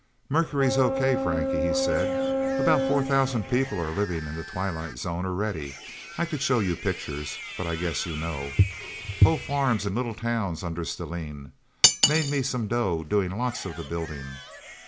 "Mercury's okay, Frankie," he said. "About four thousand people are living in the Twilight Zone, already. I could show you pictures, but I guess you know. Whole farms and little towns under stellene. Made me some dough doing lots of the building.